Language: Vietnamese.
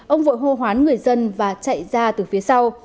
ông vội hô hoán người dân và chạy ra từ phía sau